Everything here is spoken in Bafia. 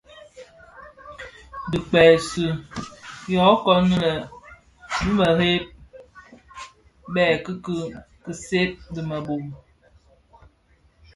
Dhi kpeksi yô kom lè bi mereb bè kiki kiseb dhi mëbom.